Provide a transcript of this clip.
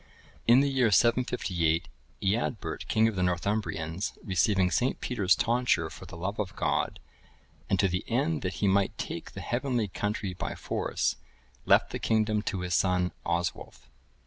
In the year 758, Eadbert, king of the Northumbrians, receiving St. Peter's tonsure for the love of God, and to the end that he might take the heavenly country by force,(1078) left the kingdom to his son Oswulf.